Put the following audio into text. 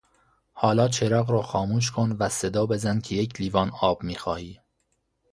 حالا چراغ را خاموش کن و صدا بزن که یک لیوان آب میخواهی.